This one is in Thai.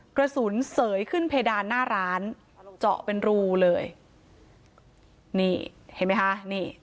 กระสุนเสยขึ้นเพดานหน้าร้านเจาะเป็นรูเลยนี่เห็นไหมคะนี่